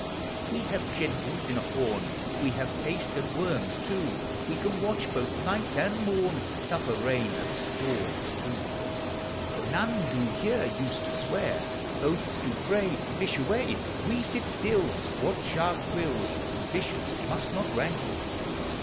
We have gentles in a horn, We have paste and worms too; We can watch both night and morn, Suffer rain and storms too; None do here Use to swear : Oaths do fray Fish away; We sit still, Watch our quill : Fishers must not wrangle.